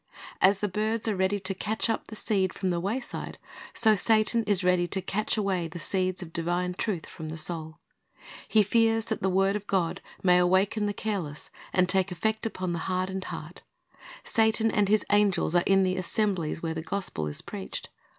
As the birds are ready to catch up the seed from the wayside, so Satan is ready to catch away the seeds of divine truth from the soul. He fears that the word of God may awaken the careless, and take effect upon the hardened heart. Satan and his angels are in the assemblies where the gospel is preached.